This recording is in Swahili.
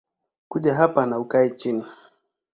Kuja hapa na ukae chini